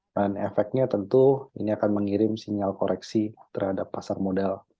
dan efeknya tentu ini akan mengirim sinyal koreksi terhadap pasar modal